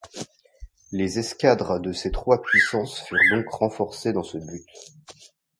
Les escadres de ces trois puissances furent donc renforcées dans ce but.